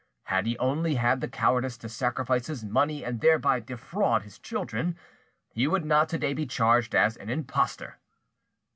Had he only had the cowardice to sacrifice his money and thereby defraud his children, he would not to day be charged as an impostor.